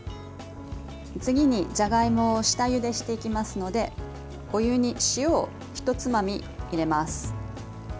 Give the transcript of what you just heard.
次に、じゃがいもを下ゆでしていきますのでお湯に塩を一つまみ入れます。